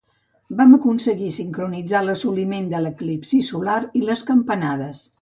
Vam aconseguir sincronitzar l'assoliment de l'eclipsi solar i les campanades.